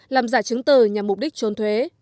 làm giả chứng tờ nhằm mục đích trôn thuế